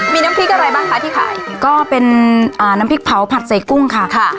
มีน้ำพริกอะไรบ้างคะที่ขายก็เป็นอ่าน้ำพริกเผาผัดใส่กุ้งค่ะค่ะ